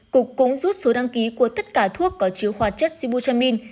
cục cũng rút số đăng ký của tất cả thuốc có chứa hoạt chất sibujamin